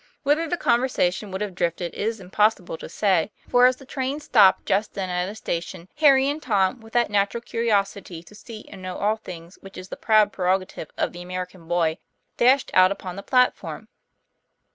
Whither the conversation would have drifted it is impossible to say; for, as the train stopped just then at a station, Harry and Tom, with that natural curi osity to see and know all things which is the proud prerogative of the American boy, dashed out upon the platform.